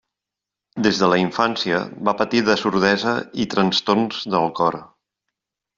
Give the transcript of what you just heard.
Des de la infància, va patir de sordesa i trastorns del cor.